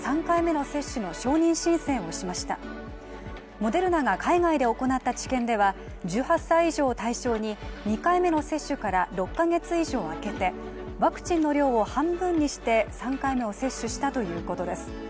モデルナが海外で行った治験では、１８歳以上を対象に２回目の接種から６ヶ月以上空けてワクチンの量を半分にして３回目の接種をしたということです。